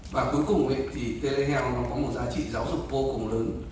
và cuối cùng thì plem nó có một giá trị giáo dục vô cùng lớn